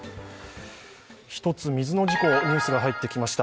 １つ、水の事故のニュースが入ってきました。